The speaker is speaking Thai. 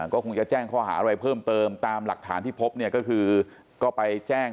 ก็คงจะแจ้งข้อหาอะไรเพิ่มเติมตามหลักฐานที่พบเนี่ยก็คือก็ไปแจ้ง